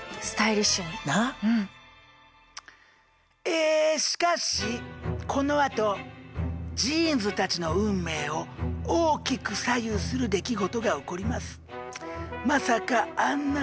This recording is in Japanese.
えしかしこのあとジーンズたちの運命を大きく左右する出来事が起こります。